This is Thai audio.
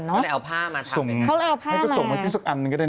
เขาเลยเอาผ้ามาทักเลยครับเขาเอาผ้ามาให้ก็ส่งให้พี่สักอันนึงก็ได้นะ